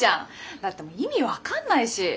だって意味分かんないし。